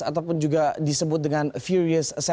ataupun juga disebut dengan furious tujuh